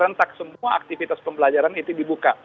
pertama kemungkinan pembelajaran itu dibuka